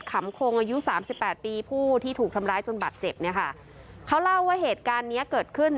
ขำคงอายุสามสิบแปดปีผู้ที่ถูกทำร้ายจนบาดเจ็บเนี่ยค่ะเขาเล่าว่าเหตุการณ์เนี้ยเกิดขึ้น